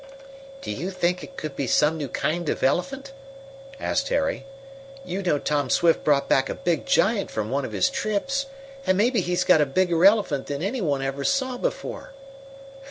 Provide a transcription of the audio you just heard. "Do you think it could be some new kind of elephant?" asked Harry. "You know Tom Swift brought back a big giant from one of his trips, and maybe he's got a bigger elephant than any one ever saw before."